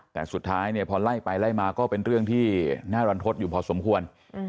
แต่สุดท้ายเนี่ยพอไล่ไปไล่มาก็เป็นเรื่องที่น่ารันทดอยู่พอสมควร